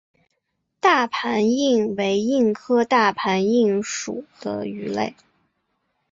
大盘䲟为䲟科大盘䲟属的鱼类。